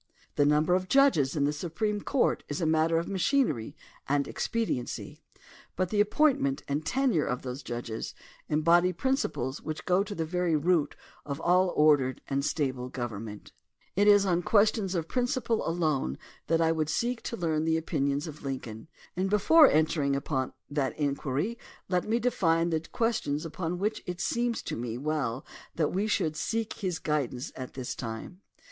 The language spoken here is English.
The number of judges in the Supreme Court is a matter of machinery and expediency. But the appointment and tenure of those judges embody prin ciples which go to the very root of all ordered and stable government. 128 THE DEMOCRACY OF ABRAHAM LINCOLN It is on questions of principle alone that I would seek to learn the opinions of Lincoln, and before enter ing upon that inquiry let me define the questions upon which it seems to me well that we should seek his guidance at this time.